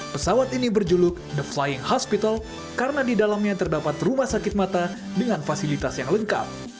pesawat ini berjuluk the flying hospital karena di dalamnya terdapat rumah sakit mata dengan fasilitas yang lengkap